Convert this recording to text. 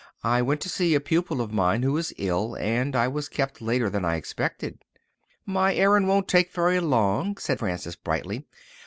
"I went to see a pupil of mine who is ill and I was kept later than I expected." "My errand won't take very long," said Frances brightly.